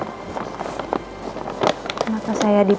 kenapa saya diputuskan